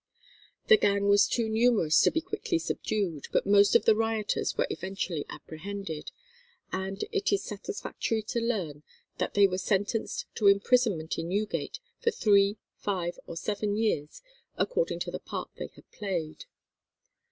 The gang was too numerous to be quickly subdued, but most of the rioters were eventually apprehended, and it is satisfactory to learn that they were sentenced to imprisonment in Newgate for three, five, or seven years, according to the part they had played.